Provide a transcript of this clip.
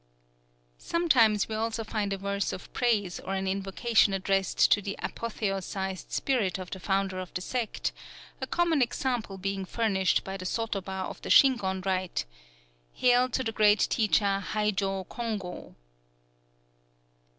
Sometimes we also find a verse of praise or an invocation addressed to the apotheosized spirit of the founder of the sect, a common example being furnished by the sotoba of the Shingon rite: "_Hail to the Great Teacher Haijō Kongō!